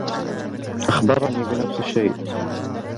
أخبرني بنفس الشّيء.